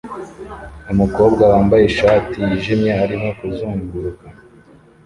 Umukobwa wambaye ishati yijimye arimo kuzunguruka